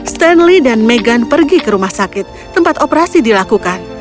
stanley dan megan pergi ke rumah sakit tempat operasi dilakukan